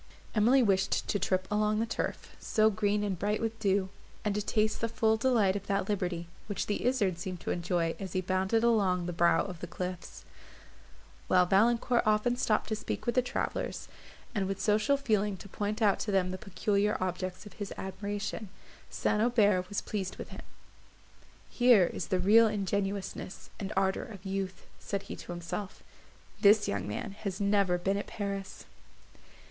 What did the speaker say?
Emily wished to trip along the turf, so green and bright with dew, and to taste the full delight of that liberty, which the izard seemed to enjoy as he bounded along the brow of the cliffs; while Valancourt often stopped to speak with the travellers, and with social feeling to point out to them the peculiar objects of his admiration. St. Aubert was pleased with him: "Here is the real ingenuousness and ardour of youth," said he to himself; "this young man has never been at Paris."